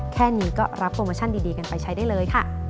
แค่นี้ก็รับโปรโมชั่นดีกันไปใช้ได้เลยค่ะ